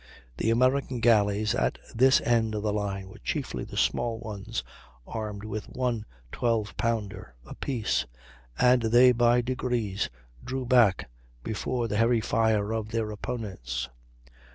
The American galleys at this end of the line were chiefly the small ones, armed with one 12 pounder apiece, and they by degrees drew back before the heavy fire of their opponents.